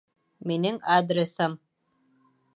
Минең адресым..